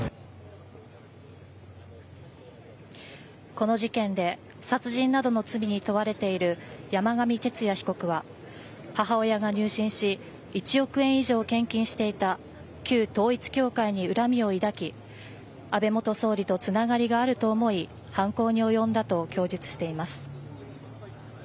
この事件で殺人などの罪に問われている山上徹也被告は母親が入信し１億円以上献金していた旧統一教会に恨みを抱き安倍元総理とつながりがあると思い犯行に及んだと供述しています。